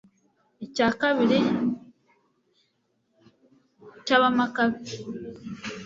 icya kabiri cy'abamakabe ,